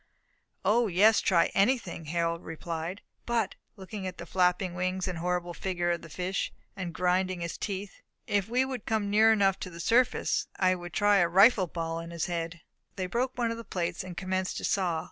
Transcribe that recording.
"O, yes, try anything," Harold replied, "But," looking at the flapping wings and horrible figure of the fish, and grinding his teeth, "if he would come near enough to the surface, I should try a rifle ball in his head." They broke one of the plates, and commenced to saw.